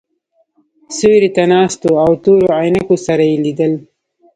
سیوري ته ناست وو او تورو عینکو سره یې لیدل.